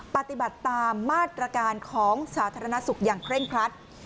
ปฏิบัติตามมาตรการของสาธารณสุขอย่างเคร่งครัด